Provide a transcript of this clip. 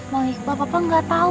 bang iqbal bapak gak tau